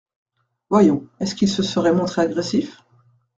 Voyons, est-ce qu’il se serait montré agressif ?